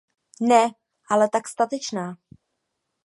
Ne, ale tak statečná.